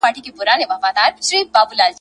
جهاني ته وا یاران دي یو په یو خاورو خوړلي ,